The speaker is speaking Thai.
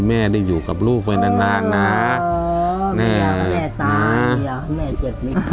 อ๋อแม่ตายอ่ะแม่เจ็บไม่ทันแล้ว